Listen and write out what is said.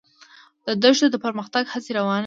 د دښتو د پرمختګ هڅې روانې دي.